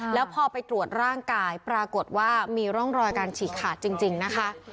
แล้วพอไปตรวจร่างกายปรากฏว่ามีร่องรอยการฉีกขาดจริงนะคะ